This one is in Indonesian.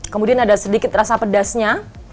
kemudian ada sedikit rasa pedasnya